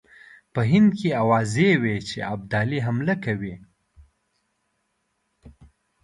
په هند کې آوازې وې چې ابدالي حمله کوي.